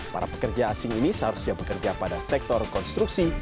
para pekerja asing ini seharusnya bekerja pada sektor konstruksi